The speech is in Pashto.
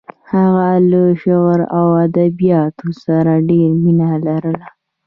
هغه له شعر او ادبیاتو سره ډېره مینه لرله